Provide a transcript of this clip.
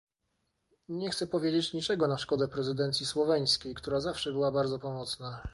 Nie chcę powiedzieć niczego na szkodę prezydencji słoweńskiej, która zawsze była bardzo pomocna